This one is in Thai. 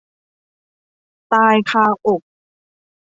ตายคาอก